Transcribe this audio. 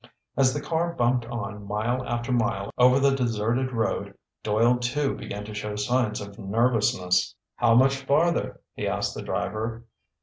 As the car bumped on mile after mile over the deserted road, Doyle too began to show signs of nervousness. "How much farther?" he asked the driver.